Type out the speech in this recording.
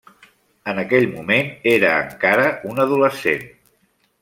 En aquell moment, era encara un adolescent.